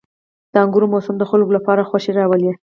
• د انګورو موسم د خلکو لپاره خوښي راولي.